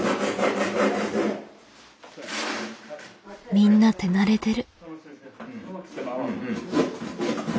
みんな手慣れてる。